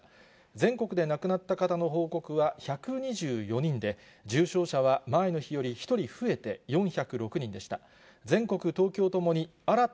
全国で亡くなった方の報告は１２４人で、重症者は前の日より１人増えて４０６人でした。